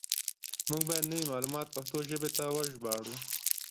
موږ بايد نوي معلومات پښتو ژبې ته وژباړو.